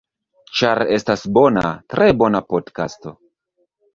Ĉar estas bona, tre bona podkasto.